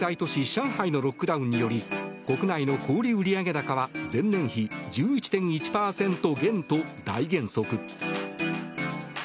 上海のロックダウンにより国内の小売り売上高は前年比１１．１％減と大減速。